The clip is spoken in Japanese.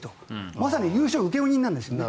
まさに優勝請負人なんですね。